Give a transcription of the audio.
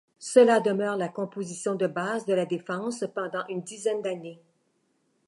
Cela demeure la composition de base de la défense pendant une dizaine d'années.